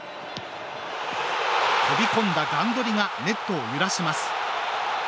飛び込んだガンドリがネットを揺らします。